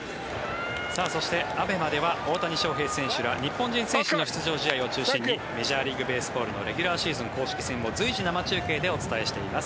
そして、ＡＢＥＭＡでは大谷翔平選手ら日本人選手の出場試合を中心にメジャーリーグベースボールのレギュラーシーズン公式戦を随時生中継でお伝えしています。